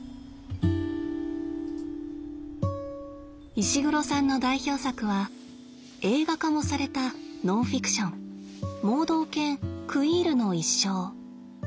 石黒さんの代表作は映画化もされたノンフィクション「盲導犬クイールの一生」。